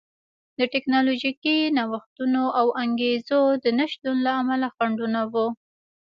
د ټکنالوژیکي نوښتونو او انګېزو د نشتون له امله خنډونه وو